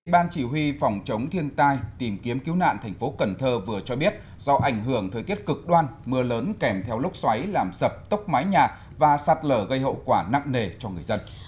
ban chỉ huy phòng chống thiên tai tìm kiếm cứu nạn thành phố cần thơ vừa cho biết do ảnh hưởng thời tiết cực đoan mưa lớn kèm theo lốc xoáy làm sập tốc mái nhà và sạt lở gây hậu quả nặng nề cho người dân